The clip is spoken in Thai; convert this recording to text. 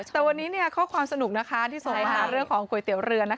แต่วันนี้ข้อความสนุกที่ส่งไปหาเรื่องของก๋วยเตี๋ยวเรือ